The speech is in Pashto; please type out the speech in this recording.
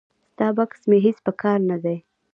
ستا بکس مې هیڅ په کار نه دی.